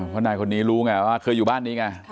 เพราะนายคนนี้รู้ไงว่าเคยอยู่บ้านนี้ไง